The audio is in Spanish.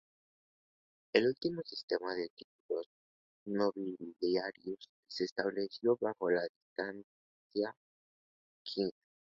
El último sistema de títulos nobiliarios se estableció bajo la dinastía Qing.